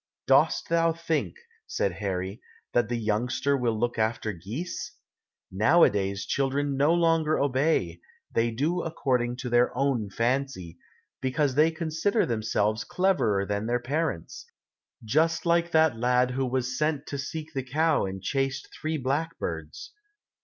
"Dost thou think," said Harry, "that the youngster will look after geese? Now a days children no longer obey, they do according to their own fancy, because they consider themselves cleverer than their parents, just like that lad who was sent to seek the cow and chased three blackbirds."